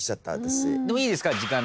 でもいいですか？